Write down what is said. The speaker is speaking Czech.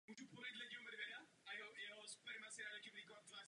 Z hlediska ztrát nebyla bitva vůbec závažná.